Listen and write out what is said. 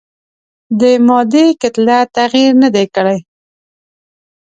د مادې کتله تغیر نه دی کړی.